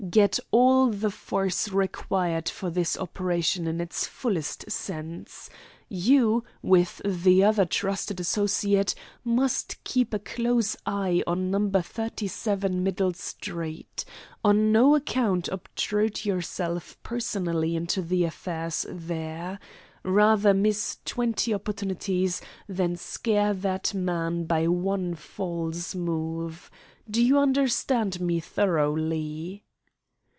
Get all the force required for this operation in its fullest sense. You, with one trusted associate, must keep a close eye on No. 37 Middle Street. On no account obtrude yourself personally into affairs there. Rather miss twenty opportunities than scare that man by one false move. Do you understand me thoroughly?"